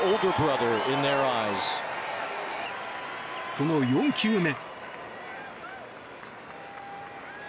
その４球目。